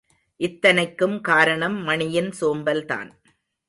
இத்தனைக்கும் காரணம் மணியின் சோம்பல்தான்.